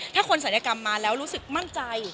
ถ้าคนศัลยกรรมมาแล้วรู้สึกมั่นใจ